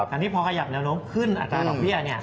อันนี้พอขยับแนวโน้มขึ้นอัตราดอกเบี้ย